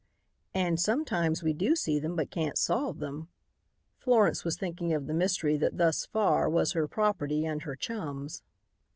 "And sometimes we do see them but can't solve them." Florence was thinking of the mystery that thus far was her property and her chum's.